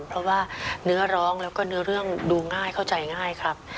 เพราะว่าเนื้อร้องแล้วก็เนื้อเรื่องดูง่ายเข้าใจง่ายครับ